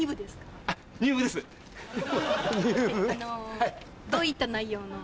あのどういった内容の？